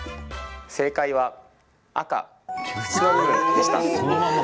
正解は赤・縁の部分でした。